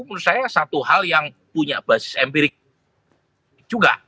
menurut saya satu hal yang punya basis empirik juga